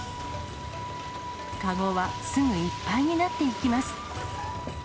籠はすぐいっぱいになっていきます。